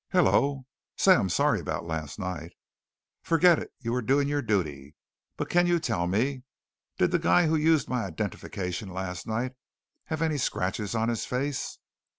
"Hello. Say, I'm sorry about last night " "Forget it, you were doing your duty. But can you tell me: Did the guy who used my identification last night have any scratches on his face?"